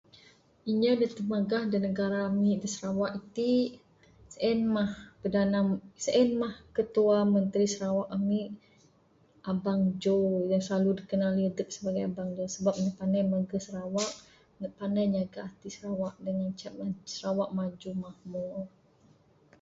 Inya da timagah da negara ami da Sarawak ti sien mah Perdana...sien mah ketua menteri Sarawak ami Abang Jo yang silalu dikenali adep sibagai Abang Jo sabab ne panai mageh Sarawak ne panai nyaga ati Sarawak ne ngancak Sarawak maju makmur.